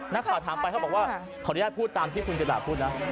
นักข่าวถามไปเขาบอกว่าขออนุญาตพูดตามที่คุณจิราพูดนะ